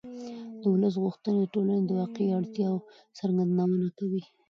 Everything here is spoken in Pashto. د ولس غوښتنې د ټولنې د واقعي اړتیاوو څرګندونه کوي